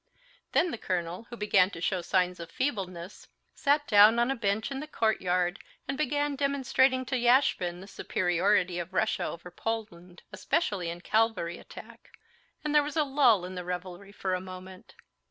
Then the colonel, who began to show signs of feebleness, sat down on a bench in the courtyard and began demonstrating to Yashvin the superiority of Russia over Prussia, especially in cavalry attack, and there was a lull in the revelry for a moment.